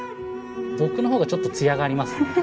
僕のほうがちょっと艶がありますね。